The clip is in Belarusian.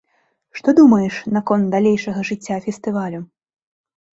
Што думаеш наконт далейшага жыцця фестывалю?